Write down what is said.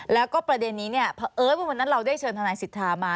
แล้วก็ประเด็นนี้เอิ้นวันนั้นเราได้เชิญทนายสิทธามา